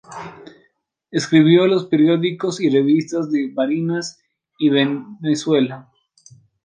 Escribió en periódicos y revistas de Barinas y Venezuela.